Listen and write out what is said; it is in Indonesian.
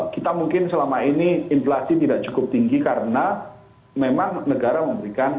kita mungkin selama ini inflasi tidak cukup tinggi karena memang negara memberikan